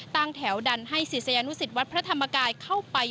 ตั้งแถวดันให้ศิษยานุสิตวัดพระธรรมกายเข้าไป